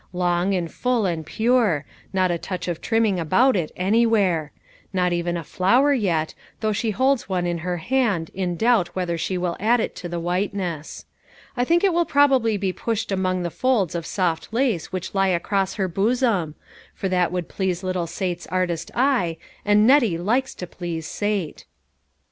Long and full and pure ; not a touch of trimming about it anywhere* Not even a flower yet, though she holds one in her hand in doubt whether she will add it to the whiteness. I think it will probably be pushed among the folds of soft lace which lie across her bosom ; for that would please little Sate's artist eye, and Nettie likes to please Sate.